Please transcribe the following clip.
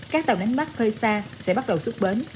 các tàu đánh bắt hơi xa sẽ bắt đầu xuất bến